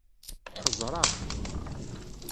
Xeẓṛeɣ.